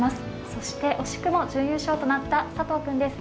そして惜しくも準優勝となった佐藤くんです。